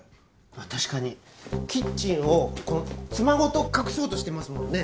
まあ確かにキッチンをこの妻ごと隠そうとしてますもんね。